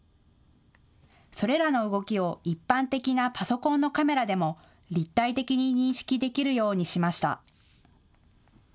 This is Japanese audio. それらの動きを一般的なパソコンのカメラでも立体的に認識できるようにしました。